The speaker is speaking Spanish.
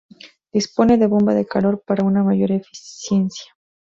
Dispone de bomba de calor para una mayor eficiencia.